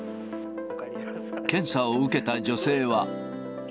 検査を受けた女性は。